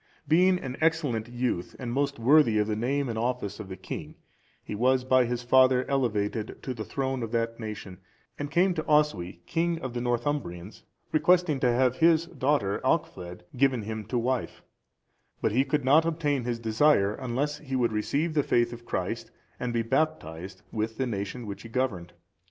Being an excellent youth, and most worthy of the name and office of a king, he was by his father elevated to the throne of that nation, and came to Oswy, king of the Northumbrians, requesting to have his daughter Alchfled(401) given him to wife; but he could not obtain his desire unless he would receive the faith of Christ, and be baptized, with the nation which he governed.